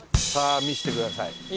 さあ見せてください。